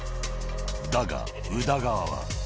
だが、宇田川は。